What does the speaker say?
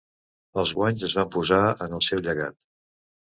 Els guanys es van posar en el seu llegat.